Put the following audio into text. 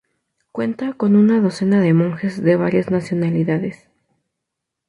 Cuenta con una docena de monjes de varias nacionalidades.